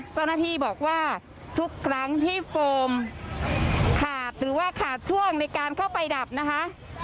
เจ้าหน้าที่บอกว่าทุกครั้งที่โฟมขาดหรือว่าขาดช่วงในการเข้าไปดับนะคะ